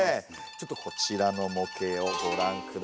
ちょっとこちらの模型をご覧下さいませ！